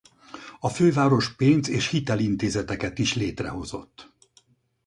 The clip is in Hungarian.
A főváros pénz- és hitelintézeteket is létrehozott.